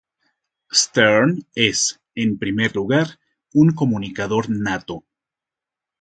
Stern es, en primer lugar, un comunicador nato.